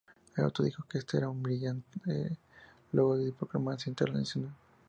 El autor dijo que esto era un "brillante logro de diplomacia internacional.